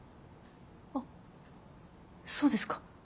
あそうですか。